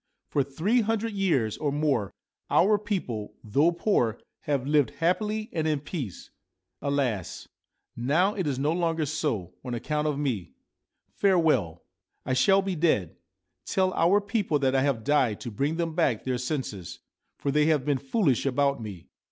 ' For three hundred years or more our people, though poor, have lived happily and in peace. Alas ! now it is no longer so, on account of me. Farewell ! I shall be dead. Tell our people that I have died to bring them back their senses, for they have been foolish about me.